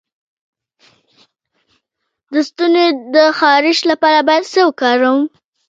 د ستوني د خارش لپاره باید څه وکاروم؟